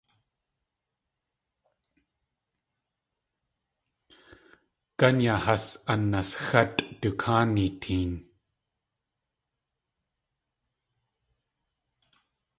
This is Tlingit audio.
Gán yaa has anasxátʼ du káani teen.